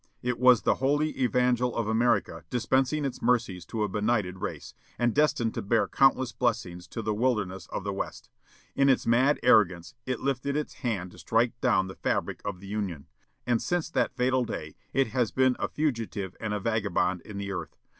It was the holy evangel of America dispensing its mercies to a benighted race, and destined to bear countless blessings to the wilderness of the West. In its mad arrogance it lifted its hand to strike down the fabric of the Union, and since that fatal day it has been 'a fugitive and a vagabond in the earth.'